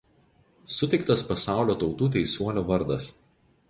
Suteiktas Pasaulio tautų teisuolio vardas.